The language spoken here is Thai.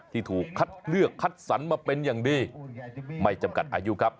ที่ถูกคัดเลือกคัดสรรมาเป็นอย่างดีไม่จำกัดอายุครับ